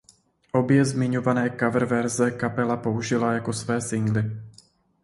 Obě zmiňované coververze kapela použila jako své singly.